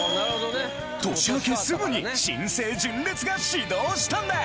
年明けすぐに新生純烈が始動したんです！